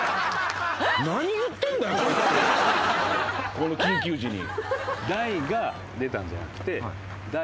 この緊急時に。